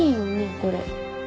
これ。